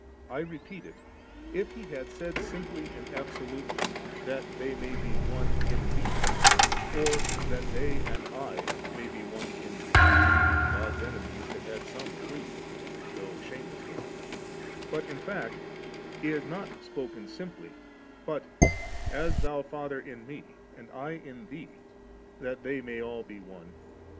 I repeat it; if He had said simply and absolutely^ 'that they may be one in Thee,* or 'that they and I may be one in Thee/ God's enemies had had some plea, though a shameless one ; but in fact He has not spoken simply, but, ' As Thou, Father, in Me, and I in Thee, that they may be all one.